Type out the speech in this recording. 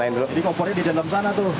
ini kompornya di dalam sana tuh